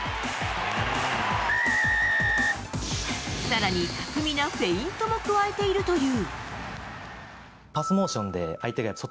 更に、巧みなフェイントも加えているという。